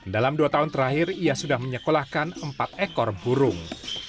dalam dua tahun terakhir ia sudah menyekolahkan empat ekor burung